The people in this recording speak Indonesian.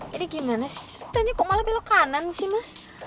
jadi gimana sih ceritanya kok malah belok kanan sih mas